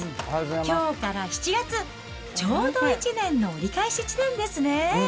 きょうから７月、ちょうど一年の折り返し地点ですね。